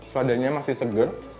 saladannya masih segar